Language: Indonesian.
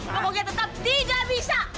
kamu tetap tidak bisa